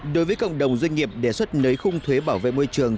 đối với cộng đồng doanh nghiệp đề xuất nới khung thuế bảo vệ môi trường